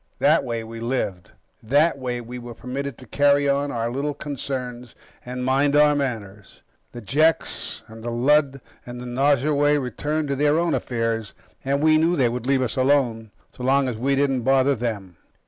That way, we lived. That way, we were permitted to carry on our little concerns, and mind our manners. The Jeks and the Lud and the Nosurwey returned to their own affairs, and we knew they would leave us alone so long as we didn't bother them.